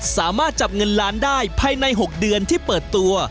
สามารถจับเงินล้านได้ภายใน๖เดือนที่เปิดตัว